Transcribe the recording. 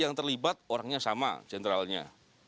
yang terlibat orangnya sama jenderalnya